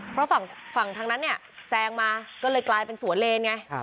เพราะฝั่งทางนั้นเนี่ยแซงมาก็เลยกลายเป็นสวนเลนไง